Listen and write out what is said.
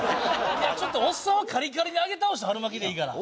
ちょっとおっさんはカリカリに揚げ倒した春巻きでいいから。